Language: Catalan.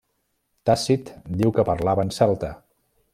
Tàcit diu que parlaven celta.